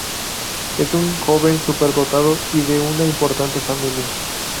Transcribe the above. Es un joven superdotado y de una importante familia.